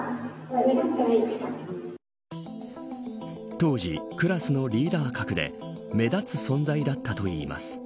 当時クラスのリーダー格で目立つ存在だったといいます。